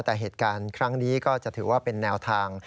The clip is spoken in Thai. แต่เหตุการณ์ครั้งนี้ก็จะถือว่าเป็นแนวทาง